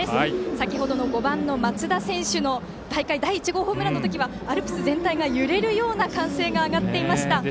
先程の５番の松田選手の大会第１号ホームランの時はアルプス全体揺れるような歓声が上がっていました。